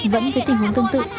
vẫn với tình huống tương tự